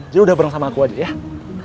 jadi udah bareng sama aku aja ya